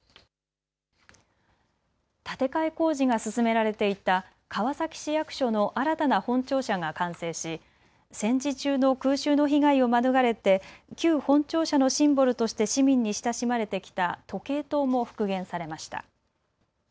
建て替え工事が進められていた川崎市役所の新たな本庁舎が完成し戦時中の空襲の被害を免れて旧本庁舎のシンボルとして市民に親しまれてきた時計塔も復元されました。